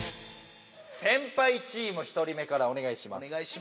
先輩チーム１人目からおねがいします。